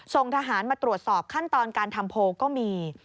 ส่งทหารมาตรวจสอบขั้นตอนการทำโพลก็มี